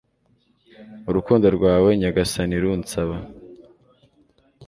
urukundo rwawe nyagasani, runsaba